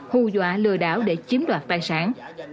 hù dọa lừa đảo để chiếm đoạt tài sản